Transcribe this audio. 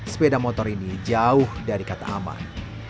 sepeda motor ini jauh dari kata aman